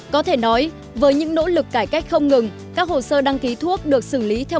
có thể nói với những nỗ lực cải cách không ngừng các hồ sơ đăng ký thuốc được xử lý theo